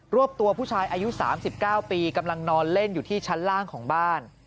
วบตัวผู้ชายอายุ๓๙ปีกำลังนอนเล่นอยู่ที่ชั้นล่างของบ้าน